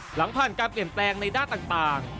หลังผ่านการเปลี่ยนแปลงในด้านต่าง